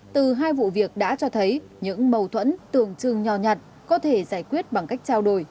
từ hai vụ việc đã cho thấy những mâu thuẫn tưởng chừng nho nhặt có thể giải quyết bằng cách trao đổi